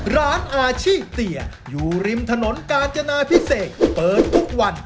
ร้านอาชีพเตียอยู่ริมถนนกาญจนาพิเศษเปิดทุกวัน